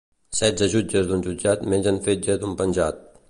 Setze jutges d'un jutjat mengen fetge d'un penjat.